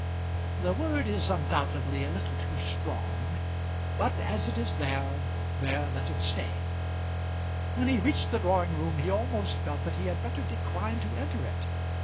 The word is undoubtedly a little too strong, but as it is there, there let it stay. When he reached the drawing room, he almost felt that he had better decline to enter it.